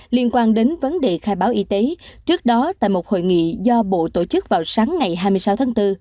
liên quan đến vấn đề khai báo y tế trước đó tại một hội nghị do bộ tổ chức vào sáng ngày hai mươi sáu tháng bốn